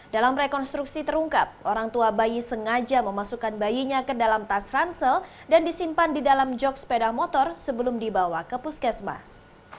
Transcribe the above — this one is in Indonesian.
dalam rekonstruksi terungkap orang tua bayi sengaja memasukkan bayinya ke dalam tas ransel dan disimpan di dalam jog sepeda motor sebelum dibawa ke puskesmas